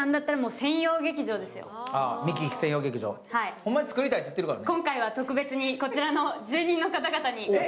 ホンマに造りたいって言ってるからね。